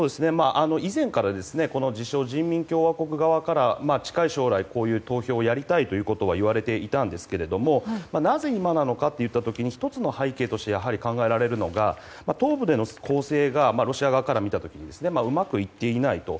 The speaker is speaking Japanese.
以前からこの自称人民共和国側からこういう投票をやりたいということはいわれていたんですけれどもなぜ今なのかという時に１つの背景としてやはり考えられるのが東部での攻勢がロシア側から見た時にうまくいっていないと。